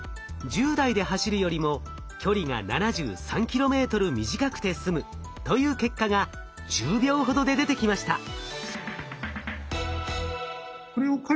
１０台で走るよりも距離が７３ｋｍ短くてすむという結果が１０秒ほどで出てきました。